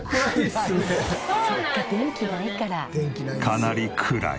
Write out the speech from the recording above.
かなり暗い。